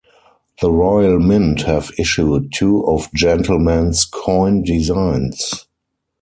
The Royal Mint have issued two of Gentleman's coin designs.